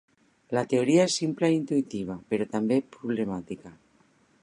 La teoria és simple i intuïtiva, però també problemàtica.